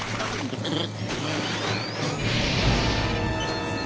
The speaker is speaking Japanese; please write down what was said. フフフ！